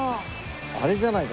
あれじゃないか？